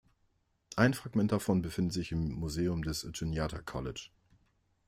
Ein Fragment davon befindet sich im Museum des Juniata College.